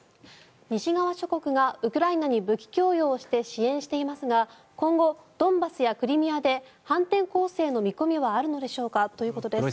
西側諸国がウクライナに武器供与をして支援していますが今後、ドンバスやクリミアで反転攻勢の見込みはあるのでしょうかということです。